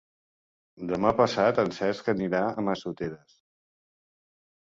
Demà passat en Cesc anirà a Massoteres.